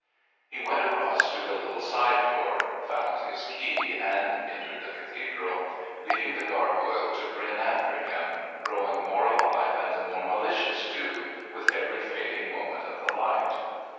He went across to the little side door, found his key, and entered the Cathedral, leaving the gargoyle to grin after him, growing more alive, and more malicious too, with every fading moment of the light.